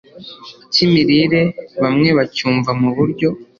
cy’imirire bamwe bacyumva mu buryo